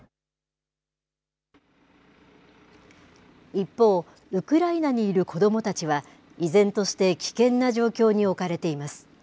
一方、ウクライナにいる子どもたちは、依然として危険な状況に置かれています。